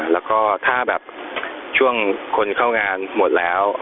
แล้วก็ถ้าแบบช่วงคนเข้างานหมดแล้ว